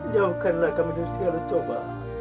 jauhkanlah kami dari si allah coba